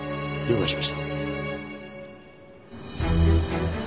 了解しました。